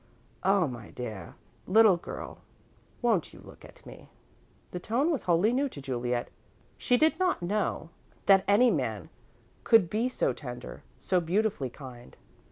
"Oh, my dear little girl, won't you look at me?" The tone was wholly new to Juliet she did not know that any man could be so tender, so beautifully kind.